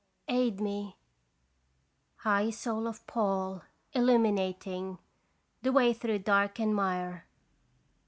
Aid me, high soul of Paul, illuminating The way through dark and mire.